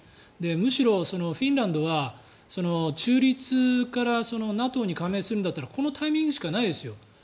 むしろフィンランドは中立からＮＡＴＯに加盟するんだったらこのタイミングしかないですよ。